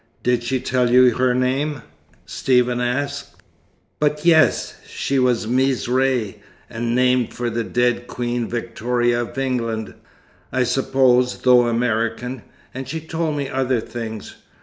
"Did she tell you her name?" Stephen asked. "But yes; she was Mees Ray, and named for the dead Queen Victoria of England, I suppose, though American. And she told me other things.